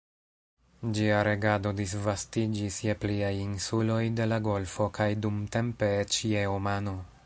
Ĝia regado disvastiĝis je pliaj insuloj de la golfo kaj dumtempe eĉ je Omano.